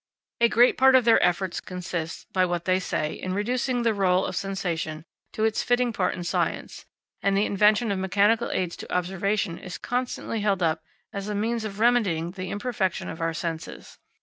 A great part of their efforts consists, by what they say, in reducing the rôle of sensation to its fitting part in science; and the invention of mechanical aids to observation is constantly held up as a means of remedying the imperfection of our senses.